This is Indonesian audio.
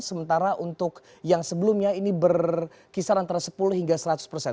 sementara untuk yang sebelumnya ini berkisar antara sepuluh hingga seratus persen